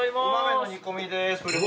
お豆の煮込みです。